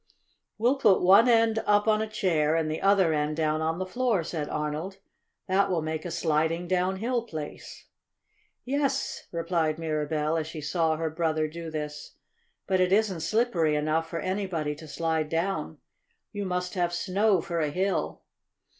"We'll put one end up on a chair, and the other end down on the floor," said Arnold. "That will make a sliding downhill place." "Yes," replied Mirabell, as she saw her brother do this. "But it isn't slippery enough for anybody to slide down. You must have snow for a hill."